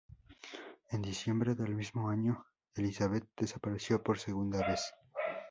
En diciembre del mismo año Elisabeth desapareció por segunda vez.